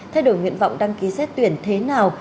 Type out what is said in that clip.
thay đổi nguyện vọng đăng ký xét tuyển thế nào